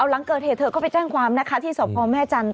หลังเกิดเหตุเธอก็ไปแจ้งความนะคะที่สพแม่จันทร์